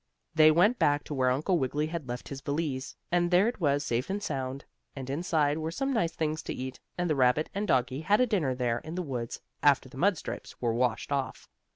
So they went back to where Uncle Wiggily had left his valise, and there it was safe and sound, and inside it were some nice things to eat, and the rabbit and doggie had a dinner there in the woods, after the mud stripes were washed off.